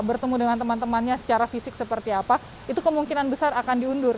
bertemu dengan teman temannya secara fisik seperti apa itu kemungkinan besar akan diundur